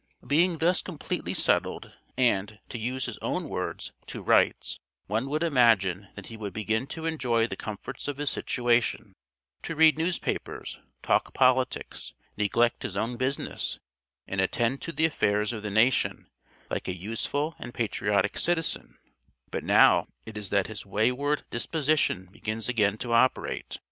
Being thus completely settled, and, to use his own words, "to rights," one would imagine that he would begin to enjoy the comforts of his situation, to read newspapers, talk politics, neglect his own business, and attend to the affairs of the nation like a useful and patriotic citizen; but now it is that his wayward disposition begins again to operate.